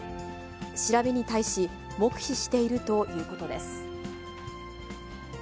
調べに対し、黙秘しているということです。